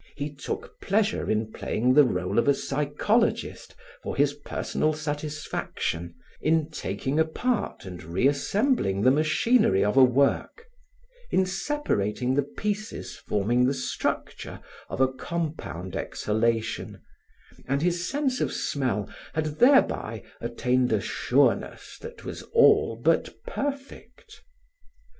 He took pleasure in playing the role of a psychologist for his personal satisfaction, in taking apart and re assembling the machinery of a work, in separating the pieces forming the structure of a compound exhalation, and his sense of smell had thereby attained a sureness that was all but perfect.